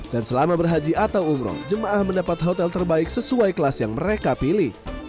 dan selama berhaji atau umroh jemaah mendapat hotel terbaik sesuai kelas yang mereka pilih